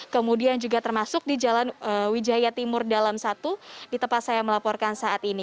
kemudian juga termasuk di jalan wijaya timur dalam satu di tempat saya melaporkan saat ini